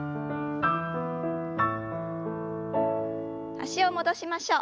脚を戻しましょう。